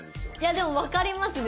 でもわかりますね。